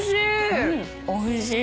おいしい！